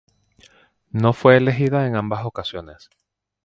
No fue elegida en ambas ocasiones.